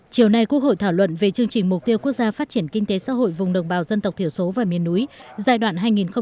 chiều nay quốc hội thảo luận về chương trình mục tiêu quốc gia phát triển kinh tế xã hội vùng đồng bào dân tộc thiểu số và miền núi giai đoạn hai nghìn hai mươi một hai nghìn ba mươi